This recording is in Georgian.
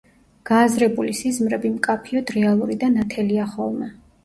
გააზრებული სიზმრები მკაფიოდ რეალური და ნათელია ხოლმე.